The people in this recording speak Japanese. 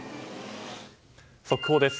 速報です。